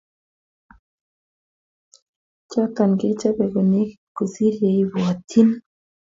Choto kochebo konekit kosir yaibwatyi ni